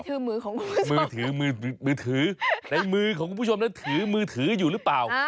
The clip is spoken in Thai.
ในมือของคุณผู้ชมนะถือมือถือมือถือมือถือในมือของคุณผู้ชมนะถือมือถืออยู่หรือเปล่า